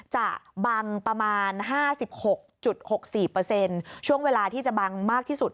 จะบังประมาณ๕๖๖๔ช่วงเวลาที่จะบังมากที่สุด